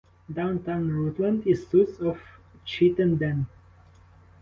Downtown Rutland is south of Chittenden.